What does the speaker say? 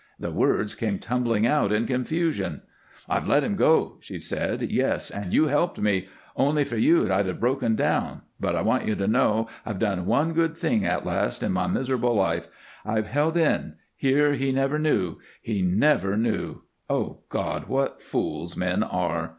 The words came tumbling out in confusion. "I've let him go," she said. "Yes, and you helped me. Only for you I'd have broken down; but I want you to know I've done one good thing at last in my miserable life. I've held in. He never knew he never knew. O God! what fools men are!"